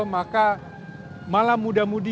maka malam muda mudi